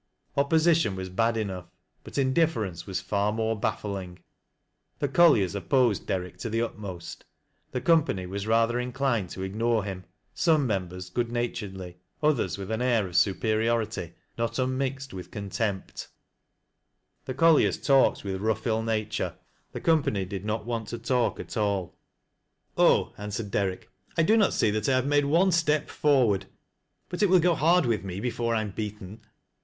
Opposition was bad enough, but indifference was, far mOT'ebaiHing. The colliers opposed Derrick to the utmost, the company was rather inclined to ignore him — some mem bers good naturedly, others with an air of superiority, nol unmixed with contempt The colliers talked with rough ill nature ; the Company did not want to talk at all. " Oh," answered Derrick, " 1 do not see that 1 have made one step forward; but it will go hard with me before I am beaten.